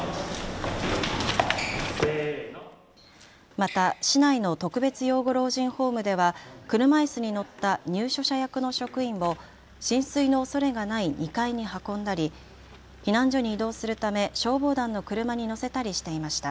また市内の特別養護老人ホームでは車いすに乗った入所者役の職員を浸水のおそれがない２階に運んだり、避難所に移動するため消防団の車に乗せたりしていました。